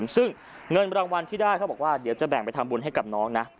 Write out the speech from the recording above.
ซึ่งเงินรางวัลที่ได้เขาบอกว่าเดี๋ยวจะแบ่งไปทำบุญให้กับน้องนะ